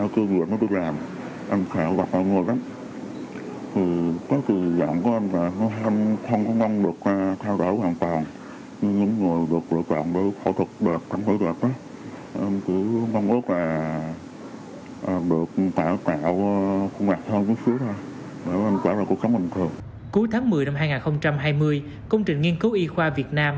cuối tháng một mươi năm hai nghìn hai mươi công trình nghiên cứu y khoa việt nam